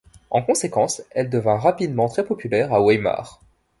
En conséquence, elle devint rapidement très populaire à Weimar.